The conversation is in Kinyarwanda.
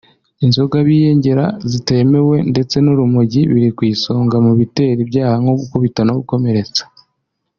inzoga biyengera zitemewe ndetse n’urumogi biri ku isonga mu bitera ibyaha nko gukubita no gukomeretsa